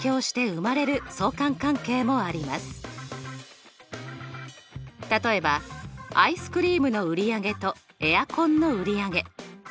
その中には例えばアイスクリームの売り上げとエアコンの売り上げ。